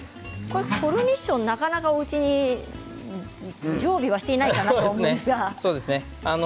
コルニッションなかなかおうちに常備していないと思うんですが。